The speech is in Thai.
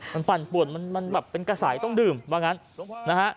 มันปั่นป่วนมันแบบเป็นกระสายต้องดื่มว่างั้นนะฮะ